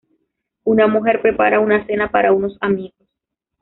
Una mujer prepara una cena para unos amigos.